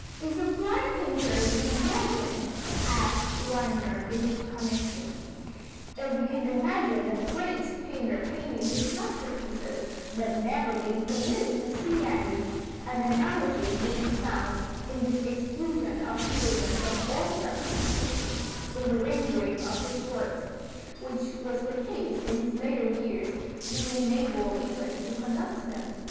"Is a blind painter to be imagined?" asks Wagner in this connection. If we can imagine a great painter painting his masterpieces, but never being permitted to see any, an analogy may be found in the exclusion of Beethoven from all participation in the rendering of his works, which was the case in his later years, being unable even to conduct them.